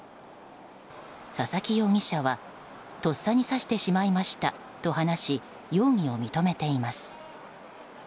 佐々木容疑者はとっさに刺してしまいましたと話し容疑を認めています。